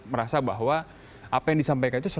merasa bahwa apa yang disampaikan itu